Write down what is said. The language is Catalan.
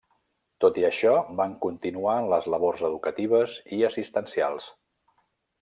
Tot i això van continuar en les labors educatives i assistencials.